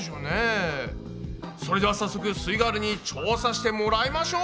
それでは早速すイガールに調査してもらいましょう！